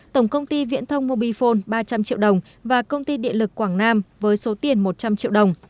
tổng công ty viễn thông mobifone ba trăm linh triệu đồng và công ty điện lực quảng nam với số tiền một trăm linh triệu đồng